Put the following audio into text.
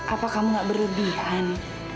apakah kamu gak berlebihan